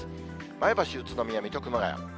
前橋、宇都宮、水戸、熊谷。